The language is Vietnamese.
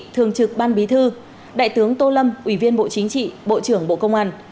thường trực ban bí thư đại tướng tô lâm ủy viên bộ chính trị bộ trưởng bộ công an